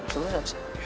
sebenernya apa sih